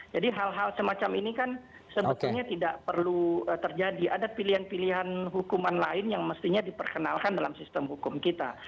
jadi hal hal semacam ini kan sebetulnya tidak perlu terjadi ada pilihan pilihan hukuman lain yang mestinya diperkenalkan dalam sistem hukum kita